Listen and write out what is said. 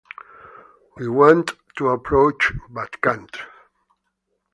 We want to approach but can’t.